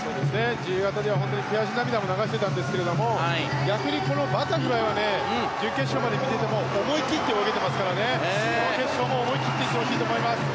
自由形では悔し涙も流していたんですが逆にこのバタフライは準決勝まで来ても思い切って泳いでますからこの決勝も思い切っていってほしいと思います。